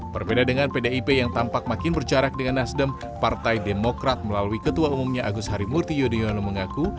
berbeda dengan pdip yang tampak makin berjarak dengan nasdem partai demokrat melalui ketua umumnya agus harimurti yudhoyono mengaku